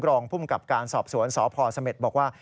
รองภูมิกับการสอบสวนสพเสม็ดบอกว่า